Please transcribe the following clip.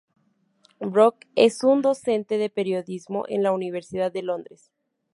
Brooke es docente de periodismo en la Universidad de Londres.